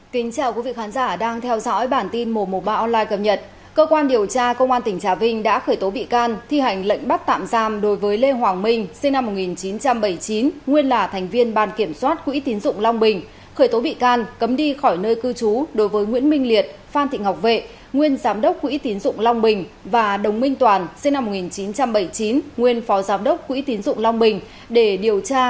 xin chào quý vị khán giả đang theo dõi bản tin mùa mùa ba online cập nhật cơ quan điều tra công an tỉnh trà vinh đã khởi tố bị can thi hành lệnh bắt tạm giam đối với lê hoàng minh sinh năm một nghìn chín trăm bảy mươi chín nguyên là thành viên bàn kiểm soát quỹ tín dụng long bình khởi tố bị can cấm đi khỏi nơi cư trú đối với nguyễn minh liệt phan thị ngọc vệ nguyên giám đốc quỹ tín dụng long bình và đồng minh toàn sinh năm một nghìn chín trăm bảy mươi chín nguyên phó giám đốc quỹ tín dụng long bình để điều tra